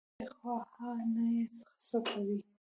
دې خوا ها خوا ته يې څکوي.